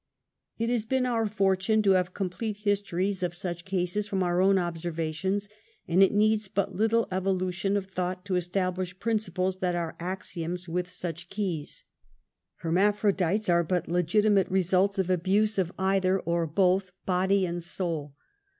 It has been our fortune to have complete histories of such cases from our own observations, and it needs but little evolution of thought to establish principles that are axioms with such keys. 32 UNMASKED. Hermaphrodites are but legitimate results of abuse of either or both soul and body.